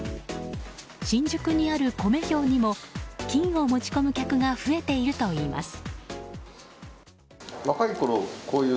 新宿にあるコメ兵にも金を持ち込む客が増えているといいます。